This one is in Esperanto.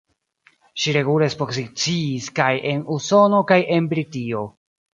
Ŝi regule ekspoziciis kaj en Usono kaj en Britio.